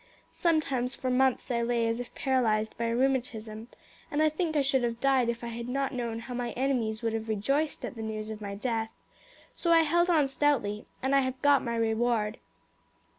Sometimes for months I lay as if paralysed by rheumatism, and I think I should have died if I had not known how my enemies would have rejoiced at the news of my death. So I held on stoutly, and I have got my reward."